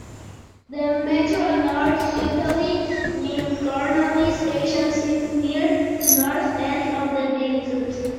The Metro-North Salisbury Mills-Cornwall station sits near the north end of the viaduct.